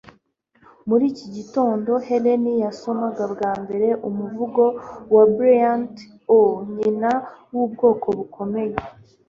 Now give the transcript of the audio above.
Muri iki gitondo, Helen yasomaga bwa mbere umuvugo wa Bryant, "Oh, nyina w'ubwoko bukomeye!"